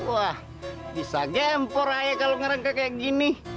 wah bisa gempor saya kalau ngerangka kayak gini